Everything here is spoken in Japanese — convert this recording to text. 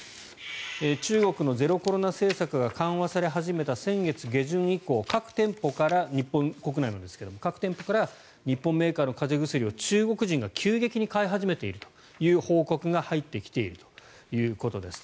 中国のゼロコロナ政策が緩和され始めた先月下旬以降日本国内のですが、各店舗から日本メーカーの風邪薬を中国人が急激に買い始めているという報告が入ってきているということです。